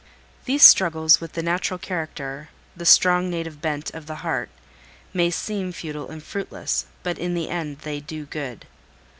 These struggles with the natural character, the strong native bent of the heart, may seem futile and fruitless, but in the end they do good.